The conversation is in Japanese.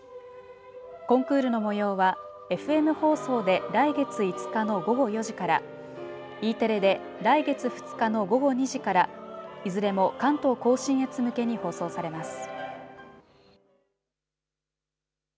コンクールのもようは、ＦＭ放送で来月５日の午後４時から、Ｅテレで来月２日の午後２時から、いずれも関東甲信越向けに放送されます。